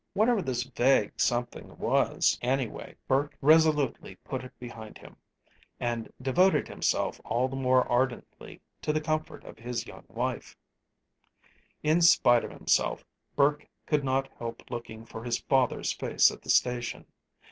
Whatever this vague something was, anyway, Burke resolutely put it behind him, and devoted himself all the more ardently to the comfort of his young wife. In spite of himself, Burke could not help looking for his father's face at the station.